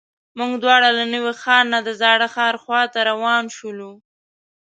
موږ دواړه له نوي ښار نه د زاړه ښار خواته روان شولو.